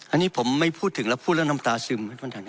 อันนี้ผมไม่พูดถึงแล้วพูดเรื่องน้ำตาซึม